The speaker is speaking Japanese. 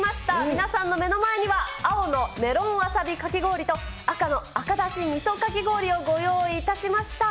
皆さんの目の前には、青のメロンワサビかき氷と、赤の赤だしみそかき氷をご用意いたしました。